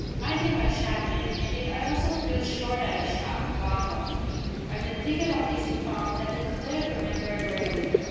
"I think I shall, May. Indeed I also feel sure that I shall God helping me." At the ticket office he found that the clerk remembered very little.